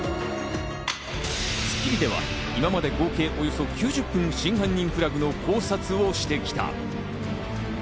『スッキリ』では今まで合計およそ９０分の『真犯人フラグ』の考察をしてきた。